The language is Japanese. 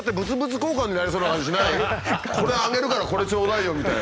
これあげるからこれ頂戴よみたいな。